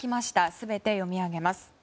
全て読み上げます。